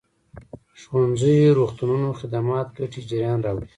ښوونځيو روغتونونو خدمات ګټې جريان راوړي.